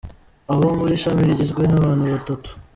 Aho buri shami rigizwe n’abantu batatu.